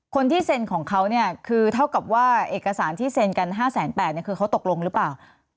คนที่เซ็นของเขาเนี่ยคือเท่ากับว่าเอกสารที่เซ็นกัน๕๘๐๐เนี่ยคือเขาตกลงหรือเปล่า